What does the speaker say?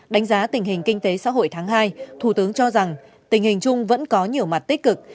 đánh giá tình hình kinh tế xã hội tháng hai thủ tướng cho rằng tình hình chung vẫn có nhiều mặt tích cực